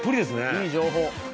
いい情報。